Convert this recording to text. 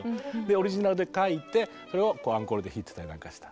オリジナルで書いてそれをアンコールで弾いてたりなんかした。